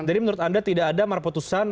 jadi menurut anda tidak ada amar putusan